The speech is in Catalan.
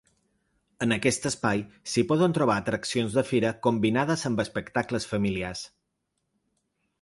En aquest espai s’hi poden trobar atraccions de fira combinades amb espectacles familiars.